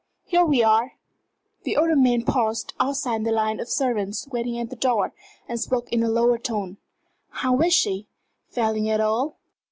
Here we are." The older man paused outside the line of servants waiting at the door, and spoke in a lower tone. "How is she? Failing at all?"